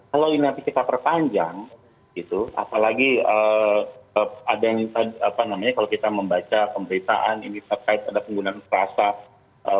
kalau ini nanti kita perpanjang gitu apalagi ada yang tadi apa namanya kalau kita membaca pemberitaan ini terkait ada penggunaan perasaan